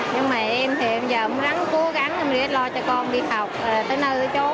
nhưng mà em thì em giờ cũng ráng cố gắng em rất lo cho con đi học tới nơi tới chỗ